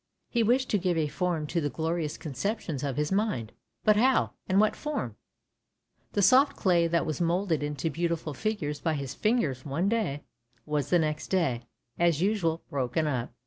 He wished to give a form to the glorious conceptions of his mind, but how, and what form ? The soft clay that was moulded into beautiful figures by his fingers one day, was the next day, as usual, broken up.